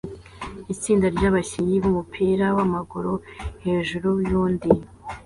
Itsinda ryabakinnyi bumupira wamaguru hejuru yundi